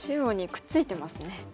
くっついてますよね。